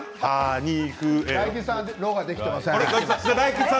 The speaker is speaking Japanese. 大吉さんが「ろ」ができていません。